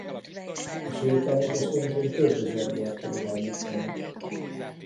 A sétányt esténként több ezer gyertya világítja meg.